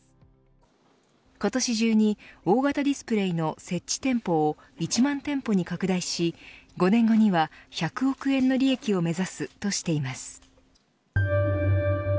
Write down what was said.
今年中に大型ディスプレーの設置店舗を１万店舗に拡大し５年後には１００億円の利益を目指すとしています。